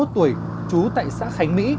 ba mươi một tuổi trú tại xã khánh mỹ